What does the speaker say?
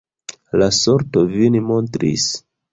La sorto vin montris.